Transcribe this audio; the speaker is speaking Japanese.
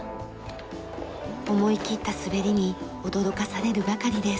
思い切った滑りに驚かされるばかりです。